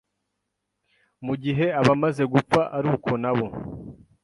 mu gihe abamaze gupfa ari uko nabo